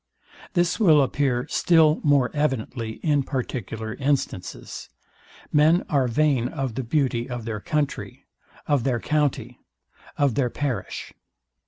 This will appear still more evidently in particular instances. Men are vain of the beauty of their country, of their county, of their parish.